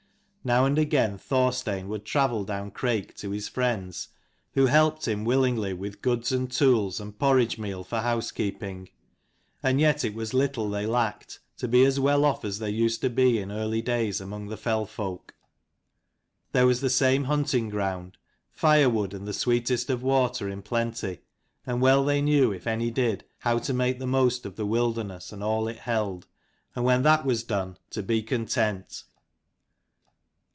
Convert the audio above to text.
Now and again Thorstein would travel down Crake to his friends, who helped him willingly with goods and tools and porridge meal for housekeeping. And yet it was little they lacked, to be as well off as they used to be in early days among the fell folk. There was the same hunting ground; firewood and the sweetest of water in plenty; and well they knew, if any did, how to make the most of the wilderness and all it held, and when that was done to be content.